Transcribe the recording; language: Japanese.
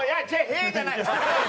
「へ」じゃない。